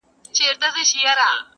نن یې په ساحل کي د توپان حماسه ولیکه-